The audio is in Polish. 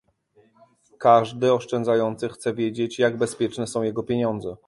Każdy oszczędzający chce wiedzieć, jak bezpieczne są jego pieniądze